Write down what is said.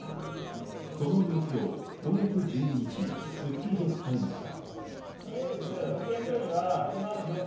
その様子を今月１２日、『スッキリ』で伝えました。